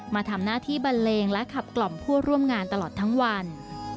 มาทำหน้าที่บันเลงและขับกล่อมผู้ร่วมงานตลอดทั้งวัน